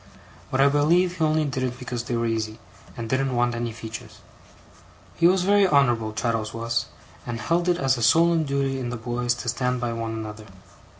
But I believe he only did it because they were easy, and didn't want any features. He was very honourable, Traddles was, and held it as a solemn duty in the boys to stand by one another.